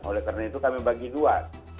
oleh karena itu kami bagi dua